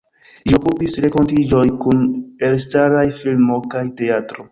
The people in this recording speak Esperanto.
Ĝi okupis renkontiĝoj kun elstaraj filmo kaj teatro.